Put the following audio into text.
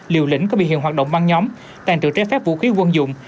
liều lĩnh có bị hiện hoạt động băng nhóm tàn trữ triệt phép vũ khí quân dụng